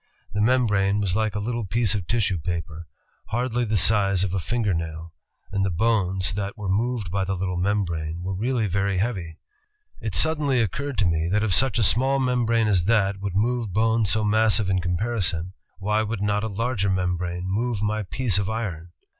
The membrane was like a little piece of tissue paper, hardly the size of a finger nail, and the bones that were moved by the little membrane were really very heavy. It suddenly occurred to me, that if such a small membrane as that would move bones so massive in comparison, why would not a larger membrane move my piece of iron?